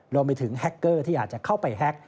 รวมไปถึงแฮคเกอร์ที่อาจจะเข้าไปแฮ็ก